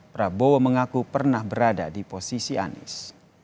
prabowo mengaku pernah berada di posisi anies